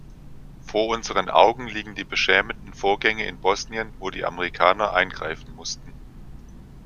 Vor unseren Augen liegen die beschämenden Vorgänge in Bosnien, wo die Amerikaner eingreifen mussten.